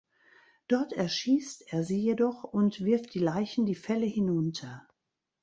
Dort erschießt er sie jedoch und wirft die Leichen die Fälle hinunter.